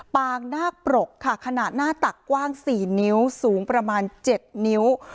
งนาคปรกค่ะขนาดหน้าตักกว้าง๔นิ้วสูงประมาณ๗นิ้ว